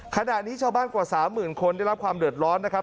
ขณะนี้ชาวบ้านกว่า๓๐๐๐คนได้รับความเดือดร้อนนะครับ